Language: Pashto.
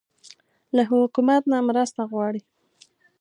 له حکومت نه مرسته غواړئ؟